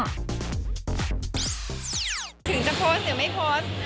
ถึงจะโพสต์หรือไม่โพสต์